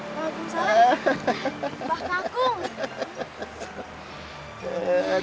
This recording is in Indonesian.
waalaikumsalam mbah kangkung